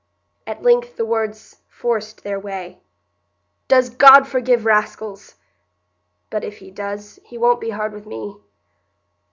At length the words forced their way. "Does God forgive raskills?—but if He does, He won't be hard wi' me."